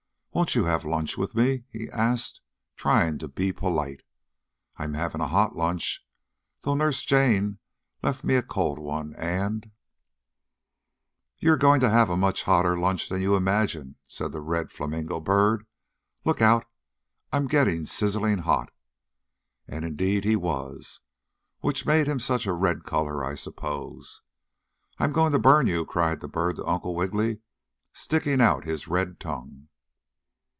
"Won't you have lunch with me?" he asked, trying to be polite. "I'm having a hot lunch, though Nurse Jane left me a cold one, and " "You are going to have a much hotter lunch than you imagine!" said the red flamingo bird. "Look out! I'm getting sizzling hot!" And indeed he was, which made him such a red color, I suppose. "I'm going to burn you!" cried the bird to Uncle Wiggily, sticking out his red tongue.